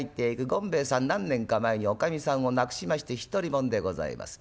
権兵衛さん何年か前におかみさんを亡くしまして独り者でございます。